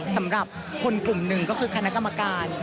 สำหรับคนกลุ่มหนึ่งก็คือคณะกรรมการ